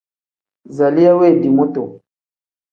Zaliya wendii mutu.